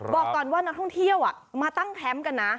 บอกก่อนว่านักท่องเที่ยวมาตั้งแคมป์กันนะ